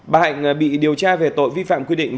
bà hạnh bị điều tra về tội vi phạm quy định